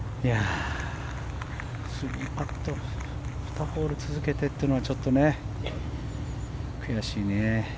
３パット２ホール続けてというのは悔しいね。